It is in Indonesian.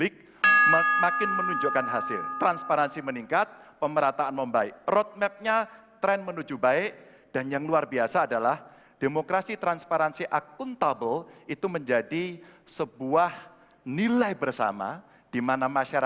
kami mohon sedian anda semua untuk berdiri menyanyikan lagu kebangsaan indonesia raya